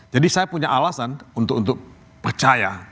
jadi saya punya alasan untuk untuk percaya